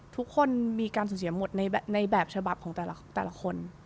ทุกคนมีการสูญเสียหมดในแบบฉบับของแต่ละคน